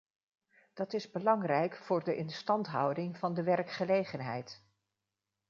Dat is belangrijk voor de instandhouding van de werkgelegenheid.